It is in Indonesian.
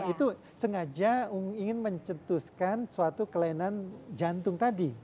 itu sengaja ingin mencetuskan suatu kelainan jantung tadi